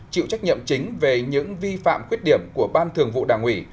chịu trách nhiệm chính về những vi phạm khuyết điểm của ban thường vụ đảng ủy